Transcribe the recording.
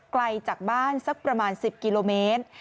ไกลจากบ้านสักประมาณ๑๐กิโลเมตร